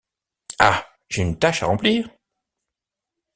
Ah! j’ai une tâche à remplir?